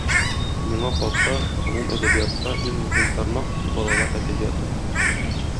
Миңа калса, гомум әдәбиятта иң мөһим тармак - балалар әдәбияты.